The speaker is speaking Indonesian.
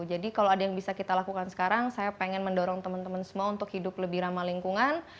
kalau ada yang bisa kita lakukan sekarang saya pengen mendorong teman teman semua untuk hidup lebih ramah lingkungan